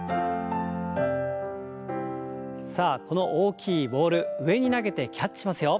さあこの大きいボール上に投げてキャッチしますよ。